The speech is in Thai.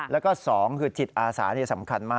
แล้วก็๒คือจิตอาสานี่สำคัญมาก